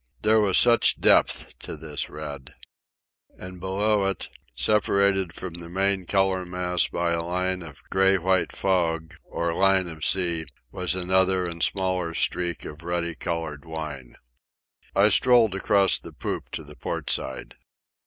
There was such depth to this red! And, below it, separated from the main colour mass by a line of gray white fog, or line of sea, was another and smaller streak of ruddy coloured wine. I strolled across the poop to the port side.